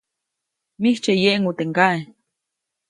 ‒Mijtsye yeʼŋu teʼ ŋgaʼe-.